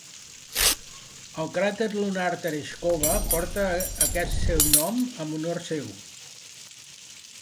El cràter lunar Tereixkova porta aquest seu nom en honor seu.